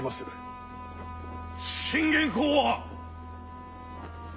信玄公は！